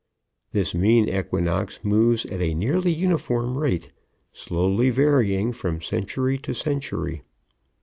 This Mean Equinox moves at a nearly uniform rate, slowly varying from century to century.